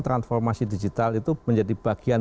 transformasi digital itu menjadi bagian